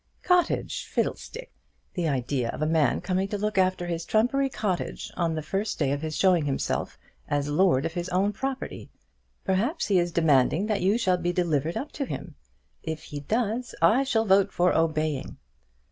"Cottage! Fiddlestick! The idea of a man coming to look after his trumpery cottage on the first day of his showing himself as lord of his own property! Perhaps he is demanding that you shall be delivered up to him. If he does I shall vote for obeying."